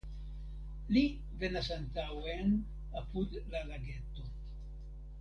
Li venas antaŭen apud la lageto.